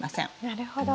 なるほど。